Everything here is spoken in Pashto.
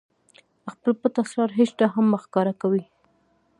خپل پټ اسرار هېچاته هم مه ښکاره کوئ!